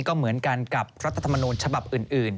ก็เหมือนกันกับรัฐธรรมนูญฉบับอื่น